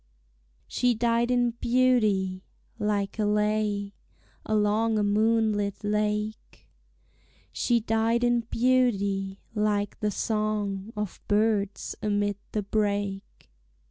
She died in beauty, like a lay Along a moonlit lake; She died in beauty, like the song Of birds amid the brake.